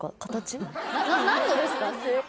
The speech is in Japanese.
何のですか？